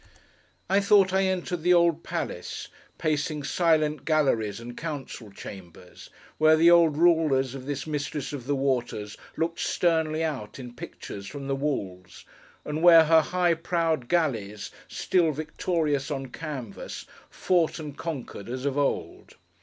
I thought I entered the old palace; pacing silent galleries and council chambers, where the old rulers of this mistress of the waters looked sternly out, in pictures, from the walls, and where her high prowed galleys, still victorious on canvas, fought and conquered as of old.